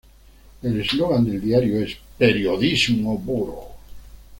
El eslogan del diario es "periodismo puro".